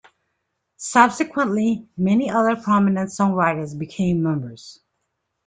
Subsequently, many other prominent songwriters became members.